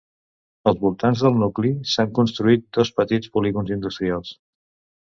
Als voltants del nucli s'han construït dos petits polígons industrials.